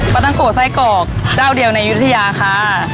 ตั้งโกไส้กรอกเจ้าเดียวในยุธยาค่ะ